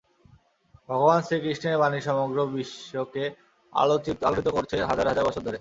ভগবান শ্রীকৃষ্ণের বাণী সমগ্র বিশ্বকে আলোড়িত করছে হাজার হাজার বছর ধরে।